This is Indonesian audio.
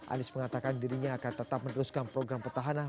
andis mengatakan dirinya akan tetap meneruskan program pertahanan